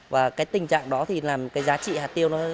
và cái tình trạng đó làm giá trị hạt tiêu